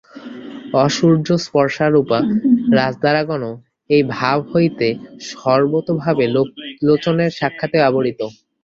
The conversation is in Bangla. অসূর্যস্পশ্যরূপা রাজদারাগণও এই ভাব হইতে সর্বতোভাবে লোকলোচনের সাক্ষাতে আবরিত।